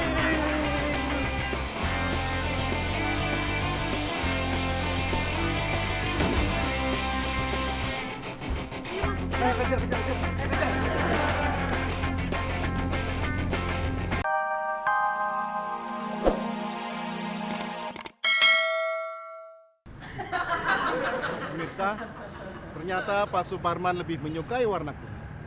mirsa ternyata pak subarman lebih menyukai warna kuning